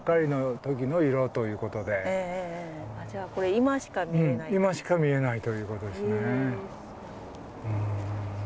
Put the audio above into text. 今しか見れないということですね。